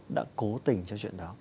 đã cố tình cho chuyện đó